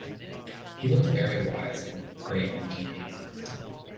He looked very wise and grave indeed.